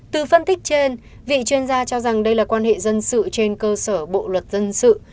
từ phân tích trên vị chuyên gia cho rằng đây là quan hệ dân sự trên cơ sở bộ luật dân sự